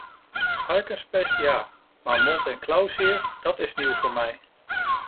Varkenspest ja, maar mond- en klauwzeer, dat is nieuw voor mij.